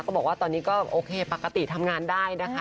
บอกว่าตอนนี้ก็โอเคปกติทำงานได้นะคะ